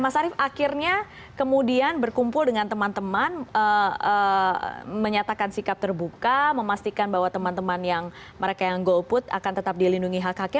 mas arief akhirnya kemudian berkumpul dengan teman teman menyatakan sikap terbuka memastikan bahwa teman teman yang mereka yang golput akan tetap dilindungi hak haknya